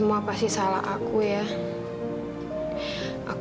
berapa kerja sekarang